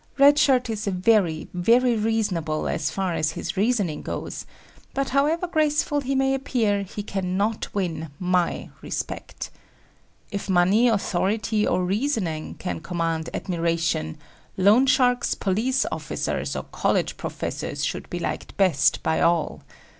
Red Shirt is very, very reasonable as far as his reasoning goes, but however graceful he may appear, he cannot win my respect. If money, authority or reasoning can command admiration, loansharks, police officers or college professors should be liked best by all.